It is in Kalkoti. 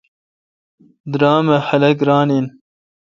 درام اؘ خلق ران این۔